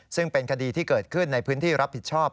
ซึ่งเป็นคดีที่เกิดขึ้นในพื้นที่รับผิดชอบ